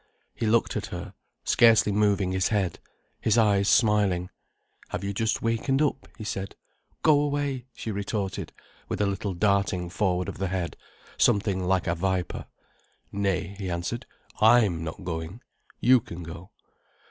He looked at her, scarcely moving his head, his eyes smiling. "Have you just wakened up?" he said. "Go away," she retorted, with a little darting forward of the head, something like a viper. "Nay," he answered, "I'm not going. You can go."